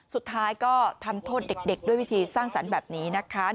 สุดท้ายก็ทำโทษเด็กด้วยวิธีสร้างสรรค์แบบนี้นะคะ